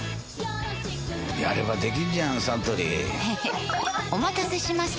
やればできんじゃんサントリーへへっお待たせしました！